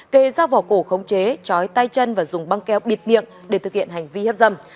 kề dao vỏ cổ khống chế chói tay chân và dùng băng keo bịt miệng để thực hiện hành vi hiếp dâm